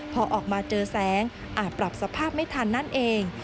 พอออกมาเจอแสงอาจปรับสภาพไม่ทันนั่นเอง